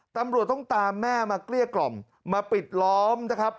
ตำรวจต้องตามแม่มาเกลี้ยกล่อมมาปิดล้อมนะครับ